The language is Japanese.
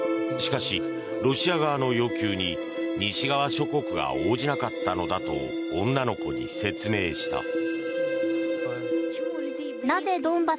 しかし、ロシア側の要求に西側諸国は応じなかったのだと女の子に説明した。